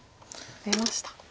出ました。